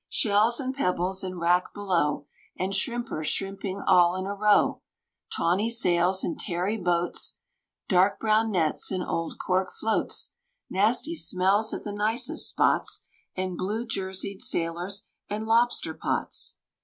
Shells and pebbles, and wrack below, And shrimpers shrimping all in a row; Tawny sails and tarry boats, Dark brown nets and old cork floats; Nasty smells at the nicest spots, And blue jerseyed sailors and lobster pots.